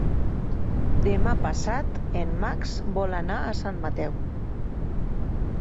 Demà passat en Max vol anar a Sant Mateu.